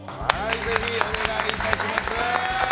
ぜひお願いいたします。